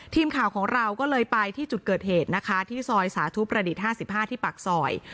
ทีมข่าวของเราก็เลยไปที่จุดเกิดเหตุนะคะที่ซอยสาธุประดิษฐ์๕๕ที่ปากซอย